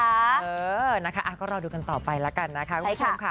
เออนะคะก็รอดูกันต่อไปแล้วกันนะคะคุณผู้ชมค่ะ